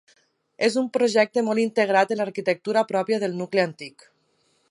És un projecte molt integrat en l'arquitectura pròpia del nucli antic.